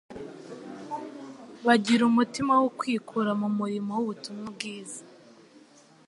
bagira umutima wo kwikura mu murimo w'ubutumwa bwiza.